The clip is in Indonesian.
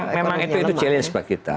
ya memang itu challenge bagi kita